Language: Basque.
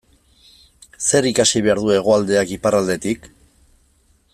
Zer ikasi behar du Hegoaldeak Iparraldetik?